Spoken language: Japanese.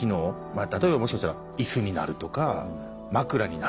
例えばもしかしたら椅子になるとか枕になるとか。